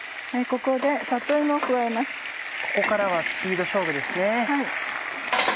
ここからはスピード勝負ですね。